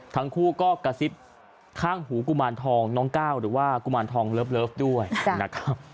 ทั้งคู่ก็กระซิบข้างหูกุมารทองน้องก้าวหรือว่ากุมารทองเลิฟด้วยนะครับ